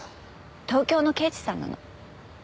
東京の刑事さんなの。